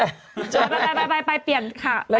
คุณแม่ให้อ่านข่าว